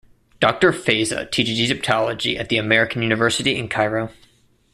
Doctor Fayza teaches Egyptology at the American University in Cairo.